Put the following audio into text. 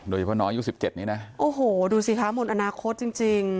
โดยเฉพาะน้องอายุ๑๗นี้นะโอ้โหดูสิคะหมดอนาคตจริง